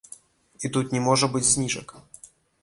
І тут не можа быць зніжак.